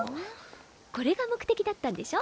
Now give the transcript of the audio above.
これが目的だったんでしょ？